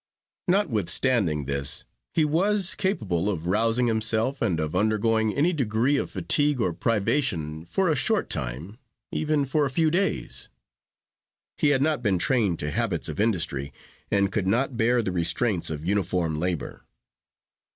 Notwithstanding this, he was capable of rousing himself, and of undergoing any degree of fatigue or privation for a short time, even for a few days. He had not been trained to habits of industry, and could not bear the restraints of uniform labor.